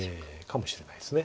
かもしれないです。